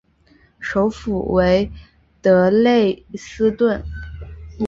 首府为德累斯顿。